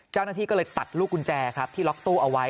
เจ้าหน้าที่ก็เลยตัดลูกกุญแจครับที่ล็อกตู้เอาไว้